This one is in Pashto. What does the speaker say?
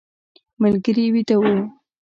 ملګري ویده و.